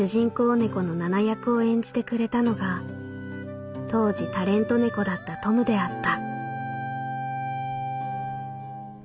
猫のナナ役を演じてくれたのが当時タレント猫だったトムであった」。